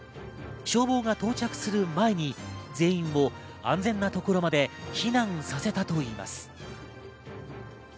消防が到着する前に全員を安全なところまで避難させたといいます。